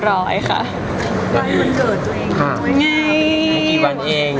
วันแก่นี้กี่วันเอง